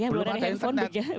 belum ada handphone begitu